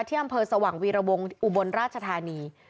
อำเภอสว่างวีรวงอุบลราชธานี